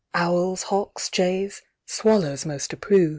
Owls, hawks, jays swallows most approve.